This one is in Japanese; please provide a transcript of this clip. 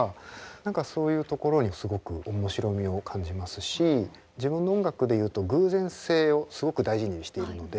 何かそういうところにすごく面白みを感じますし自分の音楽で言うと偶然性をすごく大事にしているので。